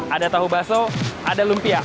ada tahu bakso ada lumpia